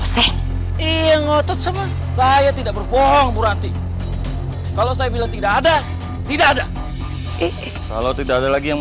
saya tidak berbohong buranti kalau saya bilang tidak ada tidak ada kalau tidak ada lagi yang